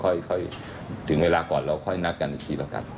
ค่อยถึงเวลาก่อนเราค่อยนัดกันอีกทีแล้วกัน